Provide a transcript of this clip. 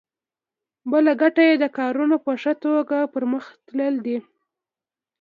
بله ګټه یې د کارونو په ښه توګه پرمخ تلل دي.